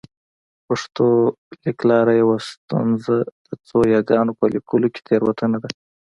پښتو لیکلار یوه ستونزه د څو یاګانو په لیکلو کې تېروتنه ده